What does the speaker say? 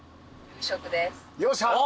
よっしゃ。